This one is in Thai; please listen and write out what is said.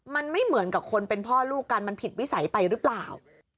มันไม่เหมือนกับคนเป็นพ่อลูกกันมันผิดวิสัยไปหรือเปล่า